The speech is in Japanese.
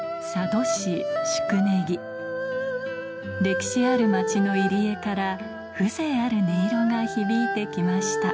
歴史ある町の入り江から風情ある音色が響いて来ました